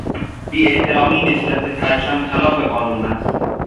بیاحترامی نسبت به پرچم خلاف قانون است.